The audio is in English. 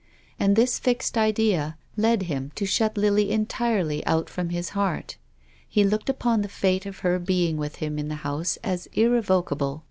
And this fixed idea led him to shut Lily entirely out from his heart. He looked upon the fate of her being with htm in the house as irrevocable.